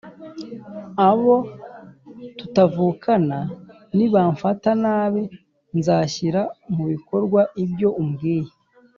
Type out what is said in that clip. Abo tutavukana nibamfata nabi nzashyira mu bikorwa ibyo umbwiye